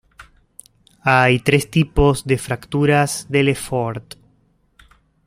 Hay tres tipos de fracturas de Le Fort.